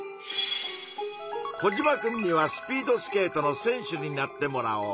コジマくんには「スピードスケートの選手」になってもらおう。